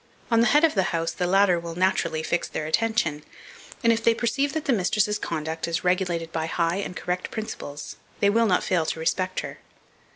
On the head of the house the latter will naturally fix their attention; and if they perceive that the mistress's conduct is regulated by high and correct principles, they will not fail to respect her.